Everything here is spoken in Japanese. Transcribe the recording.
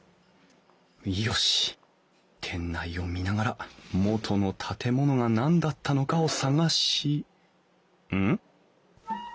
よし店内を見ながら元の建物が何だったのかを探しうん？